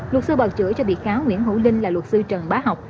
luật sư bào chữa cho bị cáo nguyễn hữu linh là luật sư trần bá học